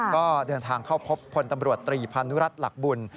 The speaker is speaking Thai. ก็เดินทางเข้าพบพลตำรวจตรีพานุรัติหลักบุญ